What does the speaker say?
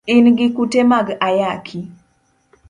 In gi kute mag ayaki.